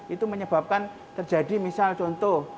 itu menyebabkan terjadi misal contoh